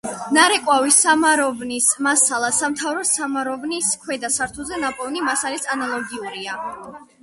ნარეკვავის სამაროვანის მასალა სამთავროს სამაროვნის „ქვედა სართულზე“ ნაპოვნი მასალის ანალოგიურია.